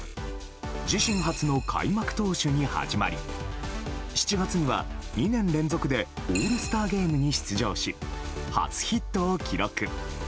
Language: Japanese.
自身初の開幕投手に始まり７月には２年連続でオールスターゲームに出場し初ヒットを記録。